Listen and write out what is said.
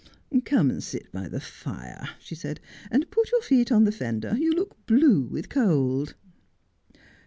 ' Come and sit by the fire,' she said, ' and put your feet on the fender. You look blue with cold.'